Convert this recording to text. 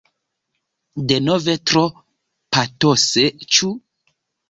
Denove tro patose, ĉu?